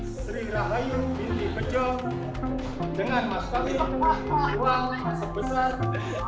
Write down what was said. pertama nikahnya sri rahayu binti pejong dengan mas kami